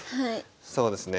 そうですね。